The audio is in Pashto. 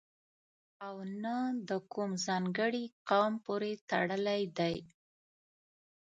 او نه د کوم ځانګړي قوم پورې تړلی دی.